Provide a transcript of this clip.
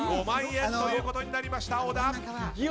５万円ということになりました小田。